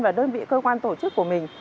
và đơn vị cơ quan tổ chức của mình